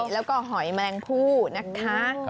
แล้วก็หอยแมลงผู้นะคะ